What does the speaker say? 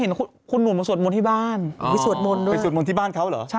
เห็นคุณหนุ่มก็สวดมนตร์ที่บ้าน